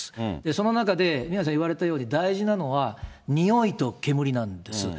その中で宮根さん言われたように、大事なのは、においと煙なんです。